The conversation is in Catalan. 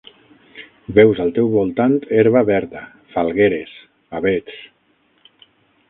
Veus al teu voltant herba verda, falgueres, avets